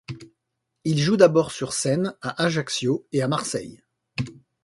Il joue d'abord sur scène à Ajaccio et à Marseille.